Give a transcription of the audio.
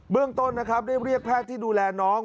เรื่องต้นนะครับได้เรียกแพทย์ที่ดูแลน้อง